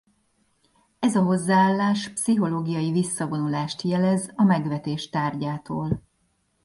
Ez a hozzáállás pszichológiai visszavonulást jelez a megvetés tárgyától.